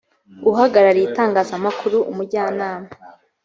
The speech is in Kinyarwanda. uhagarariye itangazamakuru umujyanama